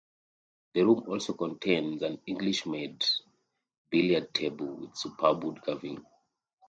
The room also contains an English-made billiard table with superb wood carving.